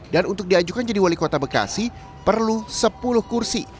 dan untuk diajukan jadi wali kota bekasi perlu sepuluh kursi